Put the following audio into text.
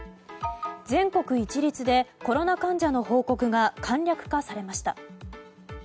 全国一律でコロナ患者の報告が簡略化されました。